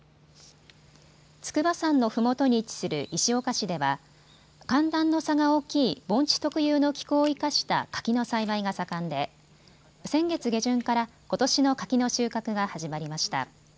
筑波山のふもとに位置する石岡市では寒暖の差が大きい盆地特有の気候を生かした柿の栽培が盛んで先月下旬から、ことしの柿の収穫が始まりました。